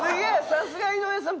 さすが井上さん。